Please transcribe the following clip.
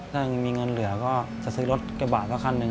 ถ้ามีเงินเหลือก็จะซื้อรถกระบาดก็คันหนึ่ง